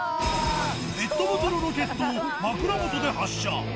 ペットボトルロケットを枕元で発射。